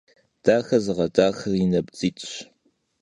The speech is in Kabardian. Daxer zığedaxer yi nabdzit'ş.